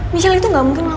misha itu gak mungkin banget